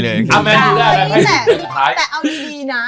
ก็นี่แหละเอาดีนะ